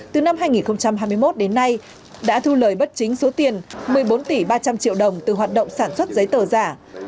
từ năm hai nghìn hai mươi một đến nay đã thu lời bất chính số tiền một mươi bốn tỷ ba trăm linh triệu đồng từ hoạt động sản xuất giấy tờ giả